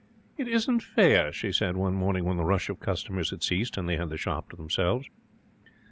'It isn't fair,' she said, one morning when the rush of customers had ceased and they had the shop to themselves.